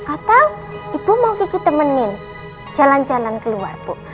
atau ibu mau gigi temenin jalan jalan keluar bu